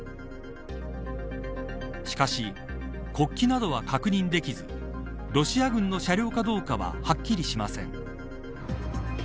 しかし、国旗などは確認できずロシア軍の車両かどうかははっきりしません。